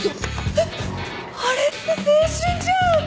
えっあれって青春じゃん！